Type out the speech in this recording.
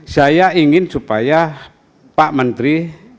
saya ingin supaya pak menteri